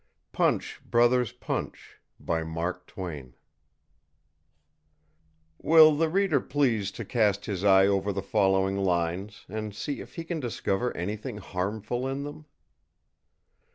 PUNCH, BROTHERS, PUNCH Will the reader please to cast his eye over the following lines, and see if he can discover anything harmful in them?